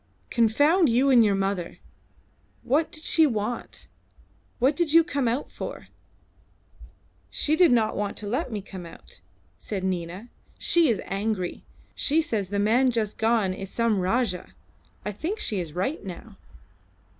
"Confound you and your mother! What did she want? What did you come out for?" "She did not want to let me come out," said Nina. "She is angry. She says the man just gone is some Rajah. I think she is right now."